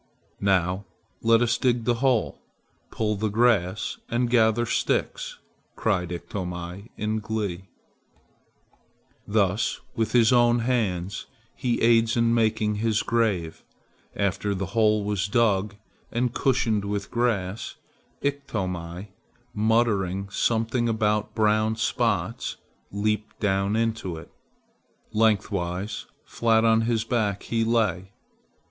"Now let us dig the hole, pull the grass, and gather sticks," cried Iktomi in glee. Thus with his own hands he aids in making his grave. After the hole was dug and cushioned with grass, Iktomi, muttering something about brown spots, leaped down into it. Lengthwise, flat on his back, he lay.